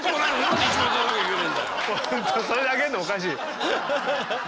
本当それであげんのおかしい。